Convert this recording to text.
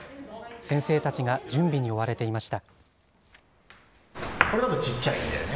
先生たちが準備に追われていました。